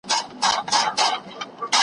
هیلي د زلمیو شپو مي سپینو وېښتو وخوړې .